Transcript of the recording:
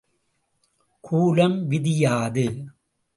Coulomb விதி யாது?